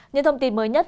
những thông tin mới nhất